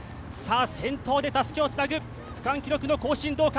先頭でたすきをつなぐ、区間記録の更新はどうか？